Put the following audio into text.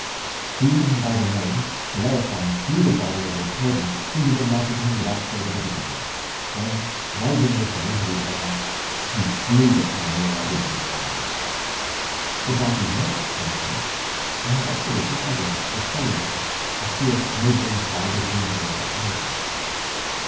Seizing him by the mane Bellerophon threw the bridle over his head, and succeeded in mounting him without further difficulty; then rising with him into the air he slew the Chimaera with his arrows. Iobates next sent him on an expedition against the Solymans, a fierce neighbouring tribe with whom he was at enmity.